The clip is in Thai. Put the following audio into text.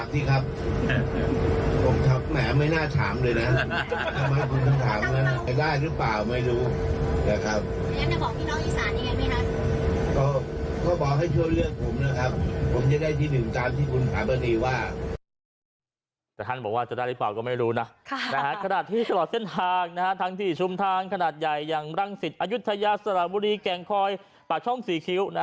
แต่ท่านบอกว่าจะได้หรือเปล่าก็ไม่รู้นะขณะที่ตลอดเส้นทางทั้งที่ชุมทางขนาดใหญ่อย่างรังสิตอายุทยาสระบุรีแก่งคอยปากช่องสี่คิ้ว